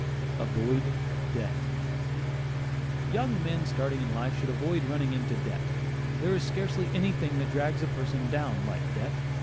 AVOID DEBT. Young men starting in life should avoid running into debt. There is scarcely anything that drags a person down like debt.